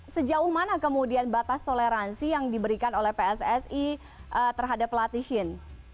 sejauh mana kemudian batas toleransi yang diberikan oleh pssi terhadap pelatih shin